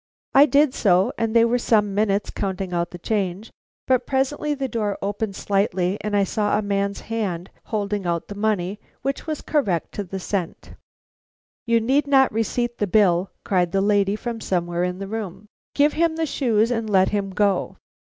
I did so, and they were some minutes counting out the change, but presently the door opened slightly, and I saw a man's hand holding out the money, which was correct to the cent. 'You need not receipt the bill,' cried the lady from somewhere in the room. 'Give him the shoes and let him go.'